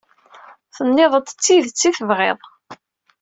Tenniḍ-d d tidet i tebɣiḍ.